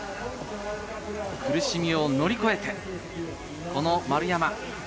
苦しみを乗り越えて、丸山。